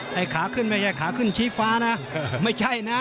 ไอ้ขาขึ้นไม่ใช่ขาขึ้นชี้ฟ้านะไม่ใช่นะ